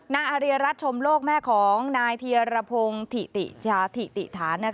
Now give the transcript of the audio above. นาอาริยรัฐชมโลกแม่ของนายเทียรพงศ์ถิติฐาน